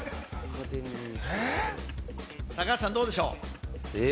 高橋さん、どうでしょう？